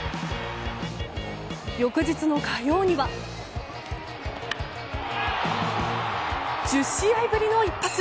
翌日の火曜には１０試合ぶりの一発。